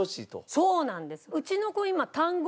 そうなんです。